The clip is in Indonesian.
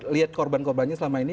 lihat korban korbannya selama ini